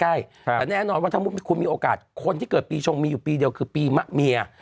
แต่แน่นอนว่าถ้าคุณมีโอกาสคนที่เกิดปีชงมีอยู่ปีเดียวคือปีมะเมีย